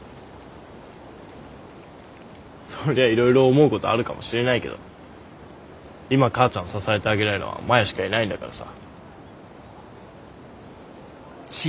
そりゃいろいろ思うことあるかもしれないけど今母ちゃん支えてあげられるのはマヤしかいないんだからさ。